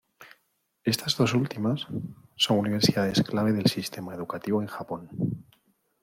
Estas dos últimas, son universidades clave del sistema educativo en Japón.